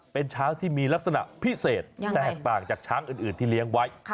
เป็นช้างที่มีลักษณะพิเศษแตกต่างจากช้างอื่นที่เลี้ยงไว้